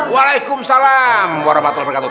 waalaikumsalam warahmatullahi wabarakatuh